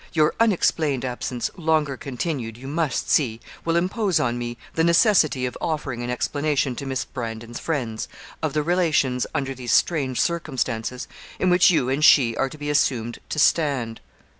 Your unexplained absence longer continued, you must see, will impose on me the necessity of offering an explanation to Miss Brandon's friends, of the relations, under these strange circumstances, in which you and she are to be assumed to stand.